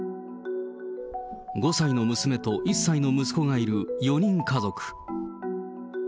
５歳の娘と１歳の息子がいる４人家族。